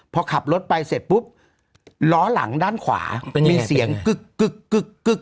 พอขับรถไปเสร็จปุ๊บล้อหลังด้านขวามีเสียงกึกกึกกึกกึก